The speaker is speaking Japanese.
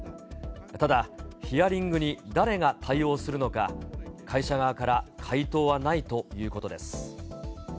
ただ、ヒアリングに誰が対応するのか、会社側から回答はないということです。